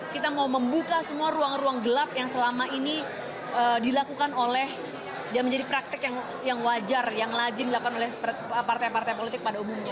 kita mau membuka semua ruang ruang gelap yang selama ini dilakukan oleh dan menjadi praktek yang wajar yang lazim dilakukan oleh partai partai politik pada umumnya